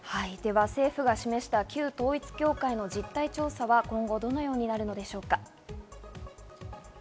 政府が示した旧統一教会の事態調査は今後どのようになるのでしょうか。